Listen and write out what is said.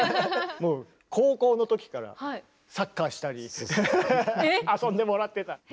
もう高校の時からサッカーしたり遊んでもらってた。